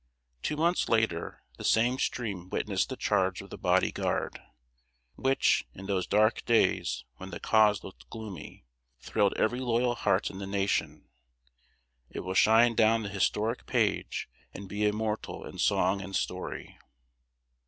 Two months later, the same stream witnessed the charge of the Body Guard, which, in those dark days, when the Cause looked gloomy, thrilled every loyal heart in the nation. It will shine down the historic page, and be immortal in song and story.